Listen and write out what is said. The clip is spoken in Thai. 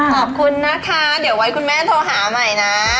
ขอบคุณนะคะเดี๋ยวไว้คุณแม่โทรหาใหม่นะ